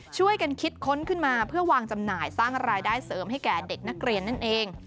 ช่วยกันคิดค้นขึ้นมาเพื่อวางจำหน่ายสร้างรายได้เสริมให้แก่เด็กนักเรียนนั่นเอง